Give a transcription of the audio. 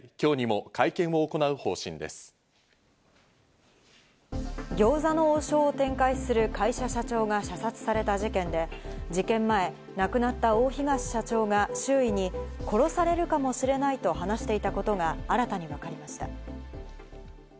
ＳＭＢＣ日興証券などは再発防止策を金融庁に報告し、受理され次餃子の王将を展開する会社社長が射殺された事件で、事件前、亡くなった大東社長が周囲に殺されるかもしれないと話していたことが新たに分かりました。